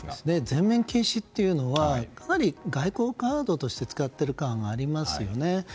全面禁止というのは外交カードとして使っている感がありますよね。